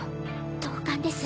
同感です。